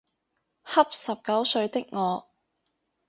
恰十九歲的我